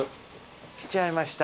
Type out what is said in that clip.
来ちゃいました。